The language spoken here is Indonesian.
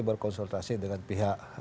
berkonsultasi dengan pihak